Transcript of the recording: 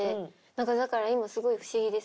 だから今すごい不思議です